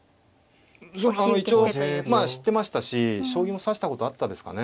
それは一応知ってましたし将棋も指したことあったですかね。